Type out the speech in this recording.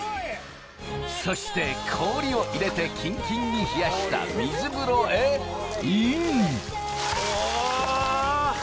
そして氷を入れてキンキンに冷やした水風呂へ、イン！